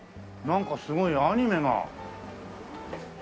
なんかすごいアニメが。